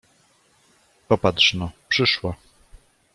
Popatrz no… przyszła!